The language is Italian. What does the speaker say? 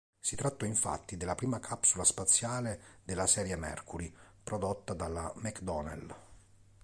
Si trattò infatti della prima capsula spaziale della serie Mercury prodotta dalla McDonnell.